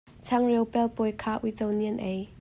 Changreu pelpawi kha uico nih an ei.